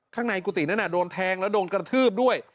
ข้างในกุฏินั้นโดนแทงแล้วโดนกระทืบด้วย